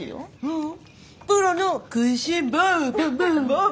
うん。